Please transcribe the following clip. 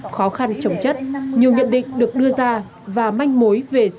khó khăn chống chất nhiều nhận định được đưa ra và manh mối về số